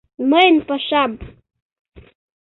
Мыйын пашам...